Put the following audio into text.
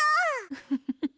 ウフフフフ。